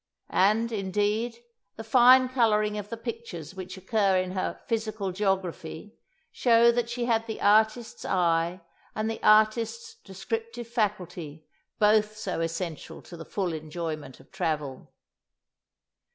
And, indeed, the fine colouring of the pictures which occur in her "Physical Geography" show that she had the artist's eye and the artist's descriptive faculty, both so essential to the full enjoyment of travel.